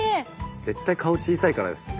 絶対顔小さいからですって。